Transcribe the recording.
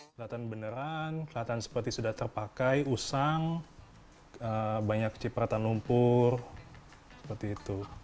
kelihatan beneran kelihatan seperti sudah terpakai usang banyak cipratan lumpur seperti itu